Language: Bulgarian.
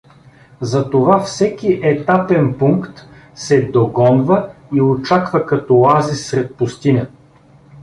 Затова всеки етапен пункт се догонва и очаква като оазис сред пустиня.